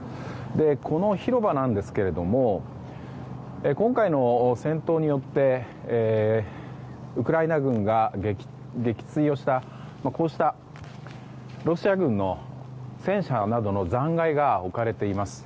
この広場ですが今回の戦闘によってウクライナ軍が撃墜をしたこうしたロシア軍の戦車などの残骸が置かれています。